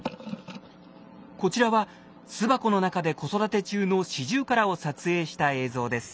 こちらは巣箱の中で子育て中のシジュウカラを撮影した映像です。